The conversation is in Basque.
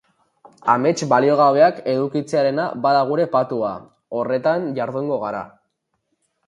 Amets baliogabeak edukitzearena bada gure patua, horretan jardungo gara.